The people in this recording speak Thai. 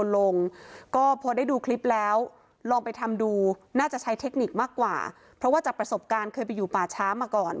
ลองไปทำดูน่าจะใช้เทคนิคมากกว่าเพราะว่าจากประสบการณ์เคยไปอยู่ป่าช้ามาก่อน